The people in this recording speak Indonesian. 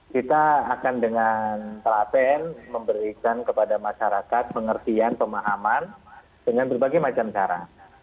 kita akan dengan telaten memberikan kepada masyarakat pengertian pemahaman dengan berbagai macam cara